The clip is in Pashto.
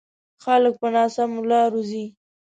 خلک په ناسمو لارو ځي.